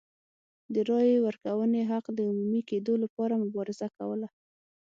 د رایې ورکونې حق د عمومي کېدو لپاره مبارزه کوله.